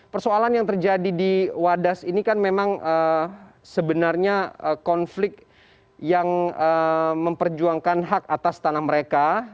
persoalan yang terjadi di wadas ini kan memang sebenarnya konflik yang memperjuangkan hak atas tanah mereka